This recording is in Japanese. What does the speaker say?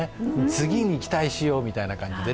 次に期待しようみたいな感じで。